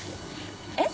えっ？